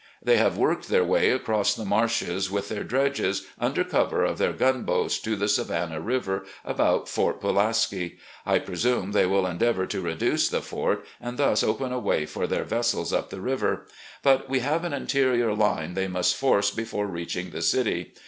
They have worked their way across the marshes, with their dredges, under cover of their gunboats, to the Savannah River, about Port Pulaski. I presume they will endeavour to reduce the fort and thus open a way for their vessels up the river. But we have an interior line they must force before reaching the city.